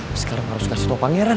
wah sekarang harus kasih tau pangeran